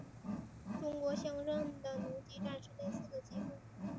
中国乡镇的农机站是类似的机构。